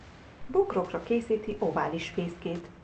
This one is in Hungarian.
Bokrokra készíti ovális fészkét.